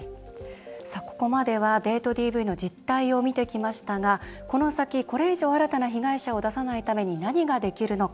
ここまではデートＤＶの実態を見てきましたがこの先、これ以上新たな被害者を出さないために何ができるのか。